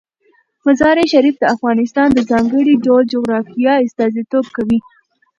مزارشریف د افغانستان د ځانګړي ډول جغرافیه استازیتوب کوي.